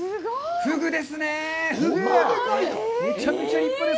フグですね。